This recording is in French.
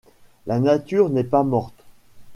La nature n’est pas morte.